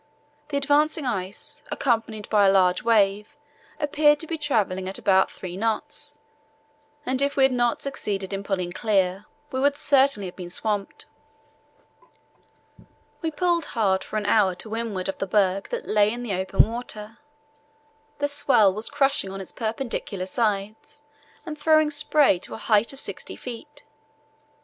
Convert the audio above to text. The advancing ice, accompanied by a large wave, appeared to be travelling at about three knots; and if we had not succeeded in pulling clear we would certainly have been swamped. We pulled hard for an hour to windward of the berg that lay in the open water. The swell was crashing on its perpendicular sides and throwing spray to a height of sixty feet.